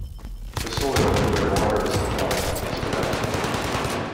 The soil, where water is supplied, is productive.